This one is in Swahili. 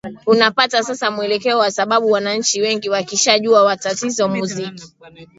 unapata sasa mwelekeo kwa sababu wananchi wengi wakishajua matatizo muziki